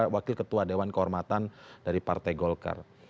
wakil ketua dewan kehormatan dari partai golkar